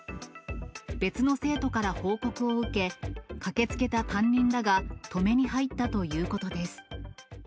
別の生徒から報告を受け、駆けつけた担任らが止めに入ったということです。